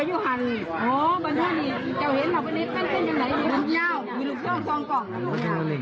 โอ้โฮ